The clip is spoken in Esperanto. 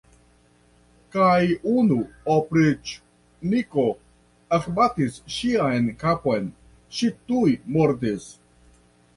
Kaj unu opriĉniko ekbatis ŝian kapon, ŝi tuj mortis!